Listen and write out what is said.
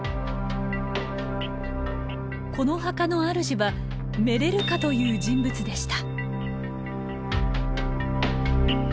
この墓の主はメレルカという人物でした。